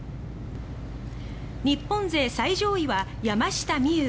日本勢最上位は山下美夢有。